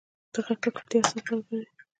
د غږ ککړتیا اعصاب خرابوي.